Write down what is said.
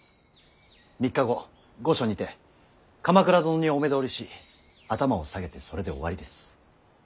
３日後御所にて鎌倉殿にお目通りし頭を下げてそれで終わりです。